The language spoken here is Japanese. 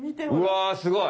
わすごい。